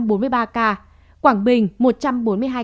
quảng bình một trăm bốn mươi hai ca